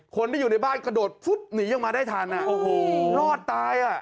คนที่อยู่ในบ้านกระโดดฟุ๊บหนีออกมาได้ทันอ่ะโอ้โหรอดตายอ่ะ